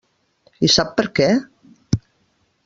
I sap per què?